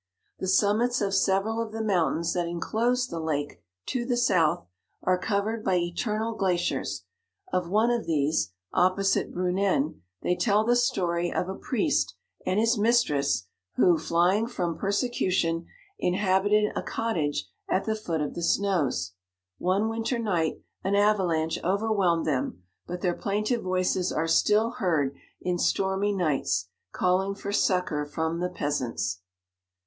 The summits of se veral of the mountains that enclose the lake to the south are covered by eter nal glaciers; of one of these, opposite Brunen, they tell the story of a priest and his mistress, who, flying from per secution, inhabited a cottage at the foot 49 of the snows. One winter night an avelanche overwhelmed them, but their plaintive voices are still heard in stormy nights, calling for succour from the peasants.